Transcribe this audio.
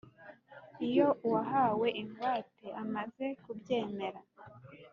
Iyo uwahawe ingwate amaze kubyemera